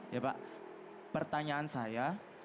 ya pak pertanyaan saya